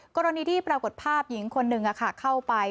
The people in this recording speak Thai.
กรณีที่ปรากฏภาพหญิงคนหนึ่งเข้าไป